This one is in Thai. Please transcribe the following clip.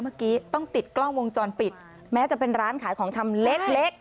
เมื่อกี้ต้องติดกล้องวงจรปิดแม้จะเป็นร้านขายของชำเล็กเล็ก